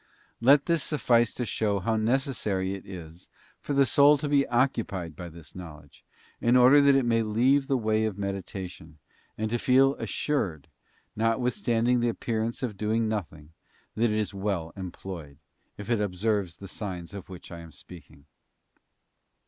Let this suffice to show how necessary it is for the soul to be occupied by this knowledge, in order that it may leave the way of meditation, and to feel assured, notwithstanding the appearance of doing nothing, that it is well employed, if it observes the signs of which I am speaking.